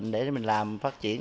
để mình làm phát triển